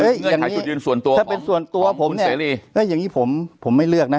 เงื่อนไขจุดยืนส่วนตัวของคุณเสรีถ้าเป็นส่วนตัวผมเนี่ยอย่างนี้ผมไม่เลือกนะ